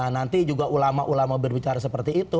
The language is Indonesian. nanti juga ulama ulama berbicara seperti itu